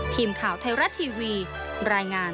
ทีมข่าวไทยรัฐทีวีรายงาน